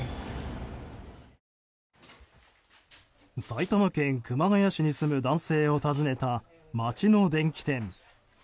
埼玉県熊谷市に住む男性を訪ねた街の電気店。